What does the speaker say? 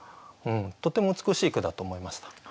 とても美しい句だと思いました。